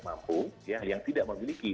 mampu yang tidak memiliki